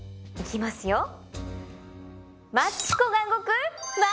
行きますよ。